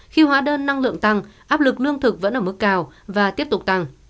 khi hóa đơn năng lượng tăng áp lực lương thực vẫn ở mức cao và tiếp tục tăng